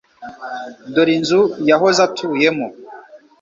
Dore inzu yahoze atuyemo.